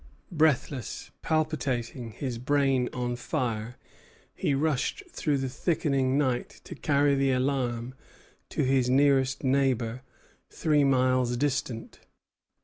Breathless, palpitating, his brain on fire, he rushed through the thickening night to carry the alarm to his nearest neighbor, three miles distant.